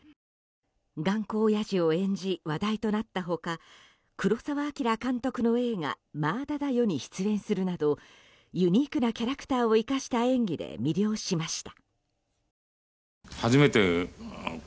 頑固おやじを演じ話題となった他黒澤明監督の映画「まあだだよ」に出演するなどユニークなキャラクターを生かした演技で魅了しました。